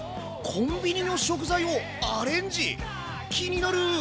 コンビニの食材をアレンジ⁉気になる。